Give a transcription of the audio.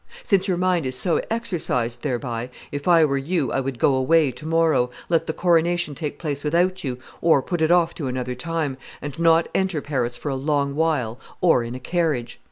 Since your mind is so exercised thereby, if I were you, I would go away to morrow, let the coronation take place without you, or put it off to another time, and not enter Paris for a long while, or in a carriage.